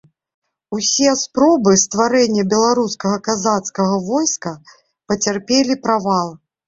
Усе спробы стварэння беларускага казацкага войска пацярпелі правал.